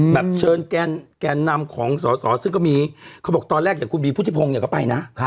แบบเชิญแกนนำของสอสอซึ่งก็มีเขาบอกตอนแรกอย่างคุณบีพุทธิพงศ์เนี่ยก็ไปนะ